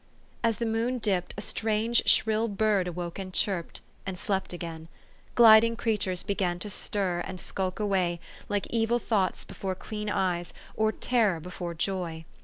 As the moon dipped, a strange shrill bird awoke and chirped, and slept again. Gliding creatures began to stir, and skulk away, like evil thoughts before clean eyes, or terror before joy.